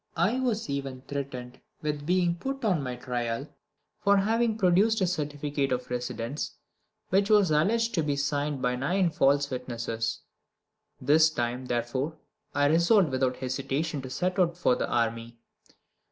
I was even threatened with being put on my trial for having produced a certificate of residence which was alleged to be signed by nine false witnesses. This time, therefore, I resolved without hesitation to set out for the army.